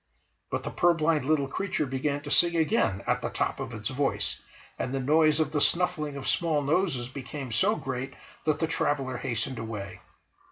But the purblind little creature began to sing again at the top of its voice, and the noise of the snuffling of small noses became so great that the traveller hastened away.